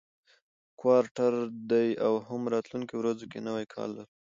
کوارټر دی او هم راتلونکو ورځو کې نوی کال لرو،